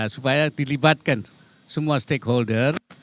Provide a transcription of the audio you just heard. supaya dilibatkan semua stakeholder